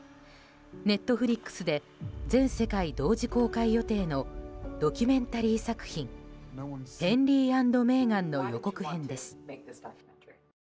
Ｎｅｔｆｌｉｘで全世界同時公開予定のドキュメンタリー作品「ヘンリー＆メーガン」の予告編です。